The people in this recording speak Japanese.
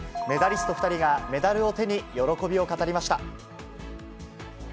メダリスト２人がメダルを手に、喜びを語りました。